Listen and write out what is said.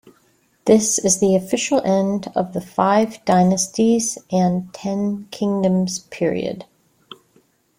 This is the official end of the Five Dynasties and Ten Kingdoms period.